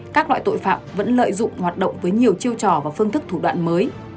các loại tội phạm vẫn lợi dụng hoạt động với nhiều chiêu trò và phương thức thủ đoạn mới